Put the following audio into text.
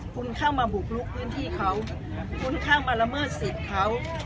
คุณเข้ามาบุกลุกพื้นที่เขาคุณเข้ามาละเมิดสิทธิ์เขา